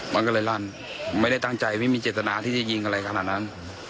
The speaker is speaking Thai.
มันก็เลยลั่นไม่ได้ตั้งใจไม่มีเจตนาที่จะยิงอะไรขนาดนั้น